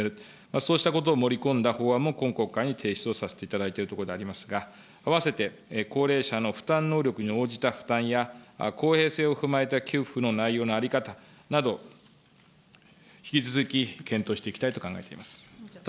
そうしたことを盛り込んだ法案も今国会に提出をさせていただいているところでありますが、あわせて、高齢者の負担能力に応じた負担や公平性を踏まえた給付の内容の在り方など、引き続き検討していきたいと考えています。